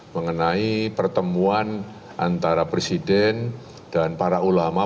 mengenai pertemuan antara presiden dan para ulama